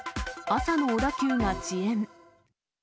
朝の小田急が遅延。